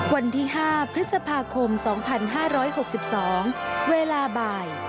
วันที่๕พฤษภาคม๒๕๖๒เวลาบ่าย